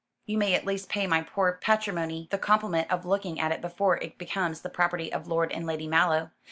"You may at least pay my poor patrimony the compliment of looking at it before it becomes the property of Lord and Lady Mallow.